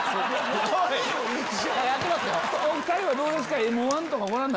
お２人はどうですか？